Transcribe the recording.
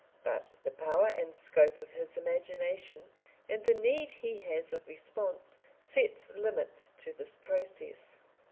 But the power and scope of his imagination and the need he has of response sets limits to this process.